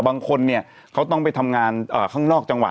บางคนเนี่ยเขาต้องไปทำงานข้างนอกจังหวัด